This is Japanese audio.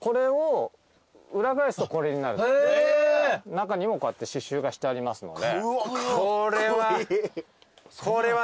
中にもこうやって刺しゅうがしてありますので。